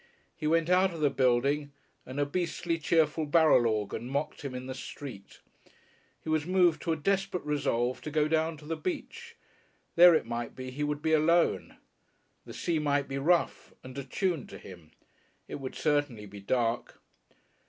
He went out of the building and a beastly cheerful barrel organ mocked him in the street. He was moved to a desperate resolve to go down to the beach. There it might be he would be alone. The sea might be rough and attuned to him. It would certainly be dark.